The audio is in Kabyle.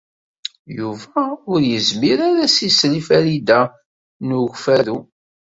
Yuba ur izmir ara ad s-isel i Farida n Ukeffadu.